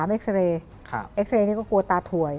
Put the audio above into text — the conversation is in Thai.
เอ็กซาเรย์เอ็กซาเรย์นี่ก็กลัวตาถ่วย